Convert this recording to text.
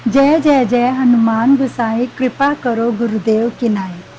เจเจเจฮานุมานบุษัยกริภากรกุรุเดวกิไหน